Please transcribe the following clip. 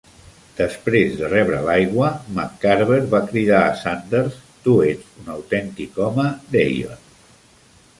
Després de rebre l'aigua, McCarver va cridar a Sanders, "Tu ets un autèntic home, Deion".